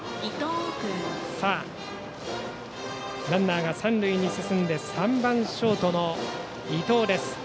ランナーが三塁に進んで３番ショートの伊藤です。